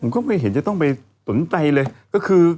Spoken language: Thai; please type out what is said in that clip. ก็ไม่เห็นจะต้องไปสนใจเลยก็คือ